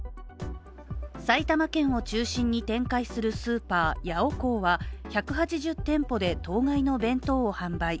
埼玉県を中心に展開するスーパー・ヤオコーは１８０店舗で当該の弁当を販売。